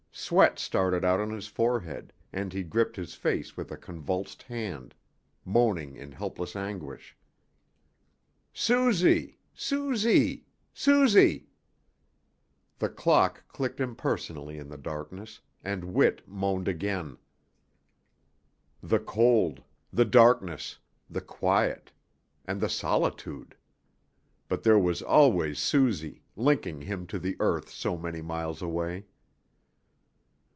Sweat started out on his forehead, and he gripped his face with a convulsed hand, moaning in helpless anguish. "Suzy, Suzy, Suzy!" The clock clicked impersonally in the darkness, and Whit moaned again. The cold. The darkness. The quiet. And the solitude. But there was always Suzy, linking him to the earth so many miles away.